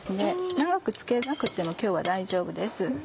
長くつけなくても今日は大丈夫です。